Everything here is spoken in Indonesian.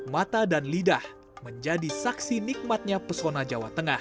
mata dan lidah menjadi saksi nikmatnya pesona jawa tengah